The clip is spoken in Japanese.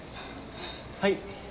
はい？